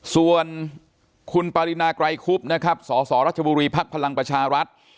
ส่วนคุณปรินาไกรคุบนะครับสสรัชบุรีภักดิ์พลังประชารัฐ